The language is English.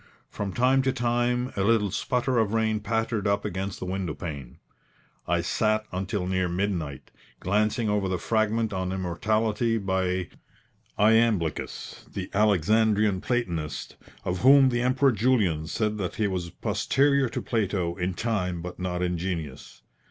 From time to time a little sputter of rain pattered up against the window pane. I sat until near midnight, glancing over the fragment on immortality by Iamblichus, the Alexandrian platonist, of whom the Emperor Julian said that he was posterior to Plato in time but not in genius.